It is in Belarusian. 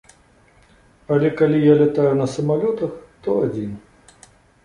Але калі я лятаю на самалётах, то адзін.